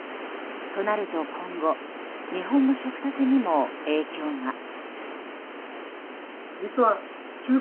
となると今後日本の食卓にも影響が。